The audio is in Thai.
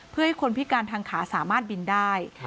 เพื่อให้คนพิการทางขาสามารถบินได้